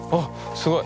すごい。